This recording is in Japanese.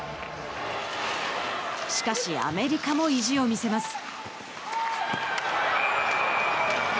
しかし、アメリカも意地を見せます。